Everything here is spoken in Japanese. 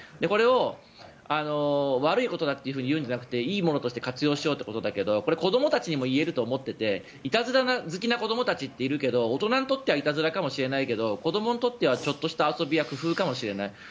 これを悪いことだっていうんじゃなくていいものとして活用しようということだけどこれは子どもたちにも言えることだと思っていていたずら好きな子どもたちっているけど大人にとってはいたずらかもしれないけど子どもにとってはちょっとした遊びや工夫かもしれない。